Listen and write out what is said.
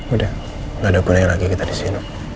udah gak ada gunanya lagi kita disini